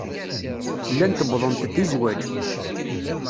Llant uwḍent-d i zzwaj.